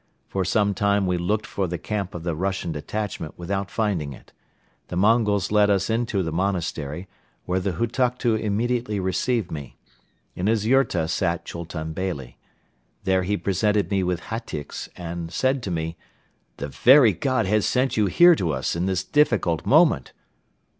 For some time we looked for the camp of the Russian detachment without finding it. The Mongols led us into the monastery, where the Hutuktu immediately received me. In his yurta sat Chultun Beyli. There he presented me with hatyks and said to me: "The very God has sent you here to us in this difficult moment."